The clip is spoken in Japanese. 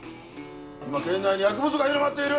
今県内に薬物が広まっている！